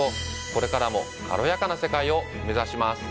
これからも軽やかな世界を目指します。